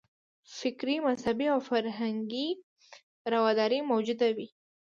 فکري، مذهبي او فرهنګي رواداري موجوده وي.